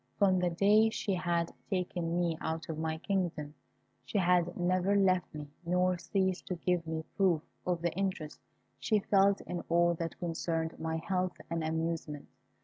From the day she had taken me out of my kingdom, she had never left me, nor ceased to give me proof of the interest she felt in all that concerned my health and amusement.